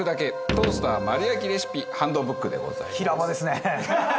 トースター丸焼きレシピハンドブック」でございます。